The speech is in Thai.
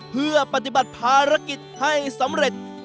เพื่อปฏิบัติภารกิจให้สำเร็จ